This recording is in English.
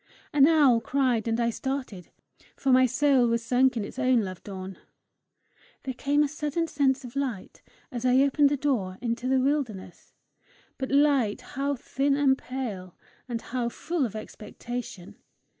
An owl cried and I started, for my soul was sunk in its own love dawn. There came a sudden sense of light as I opened the door into the wilderness, but light how thin and pale, and how full of expectation!